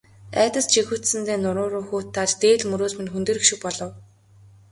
Айдас жихүүдсэндээ нуруу руу хүйт дааж, дээл мөрөөс минь хөндийрөх шиг болов.